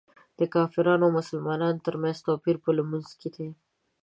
د کافر او مسلمان تر منځ توپیر په لمونځ کې دی.